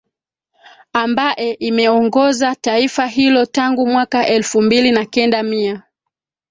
ambae imeongoza taifa hilo tangu mwaka elfu mbili na kenda mia